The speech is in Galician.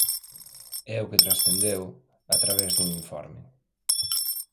É o que transcendeu, a través dun informe.